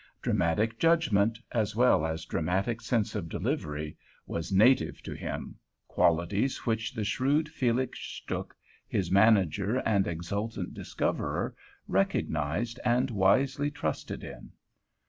Dramatic judgment, as well as dramatic sense of delivery, was native to him, qualities which the shrewd Felix Stuhk, his manager and exultant discoverer, recognized and wisely trusted in.